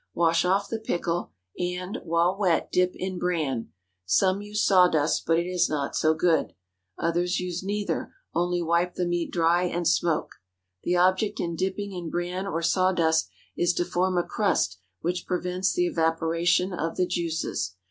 Wash off the pickle, and, while wet, dip in bran. Some use saw dust, but it is not so good. Others use neither, only wipe the meat dry and smoke. The object in dipping in bran or saw dust is to form a crust which prevents the evaporation of the juices.